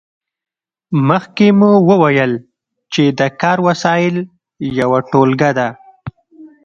مخکې مو وویل چې د کار وسایل یوه ټولګه ده.